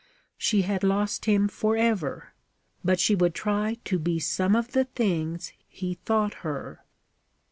She had lost him forever, but she would try to be some of the things he thought her.